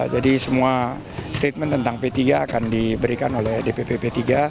jadi semua statement tentang p tiga akan diberikan oleh dpp p tiga